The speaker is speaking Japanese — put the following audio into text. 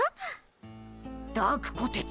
ダークこてつ。